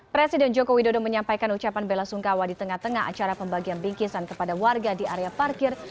presiden joko widodo menyampaikan ucapan bela sungkawa di tengah tengah acara pembagian bingkisan kepada warga di area parkir